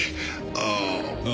ああ。